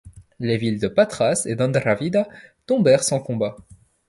Les villes de Patras et d’Andravida tombèrent sans combat.